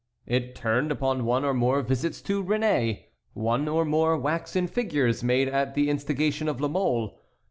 It turned upon one or more visits to Réné, one or more waxen figures made at the instigation of La Mole.